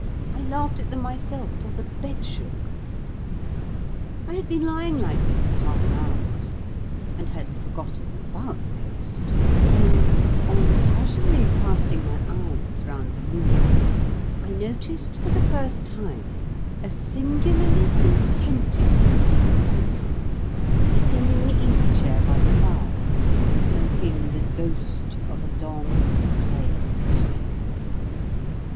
I laughed at them myself till the bed shook. I had been lying like this for half an hour or so, and had forgotten all about the ghost, when, on casually casting my eyes round the room, I noticed for the first time a singularly contented looking phantom, sitting in the easy chair by the fire, smoking the ghost of a long clay pipe.